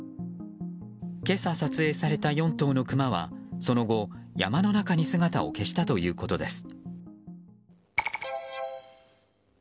今朝、撮影された４頭のクマはその後山の中に姿を消したということです。